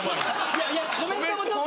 いやいや「コメント」もちょっと。